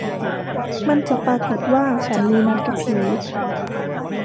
มันจะปรากฏว่าฉันมีนัดกับผี